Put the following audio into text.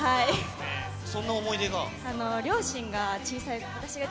そんな思い出が？